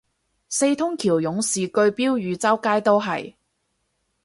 四通橋勇士句標語周街都係